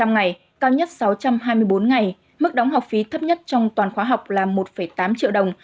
một mươi ngày cao nhất sáu trăm hai mươi bốn ngày mức đóng học phí thấp nhất trong toàn khóa học là một tám triệu đồng